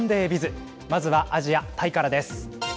まずはアジア、タイからです。